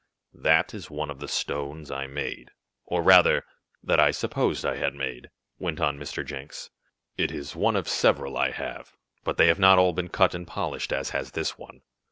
"That is one of the stones I made or rather that I supposed I had made," went on Mr. Jenks. "It is one of several I have, but they have not all been cut and polished as has this one.